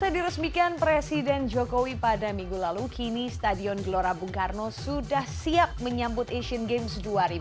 setelah diresmikan presiden jokowi pada minggu lalu kini stadion gelora bung karno sudah siap menyambut asian games dua ribu delapan belas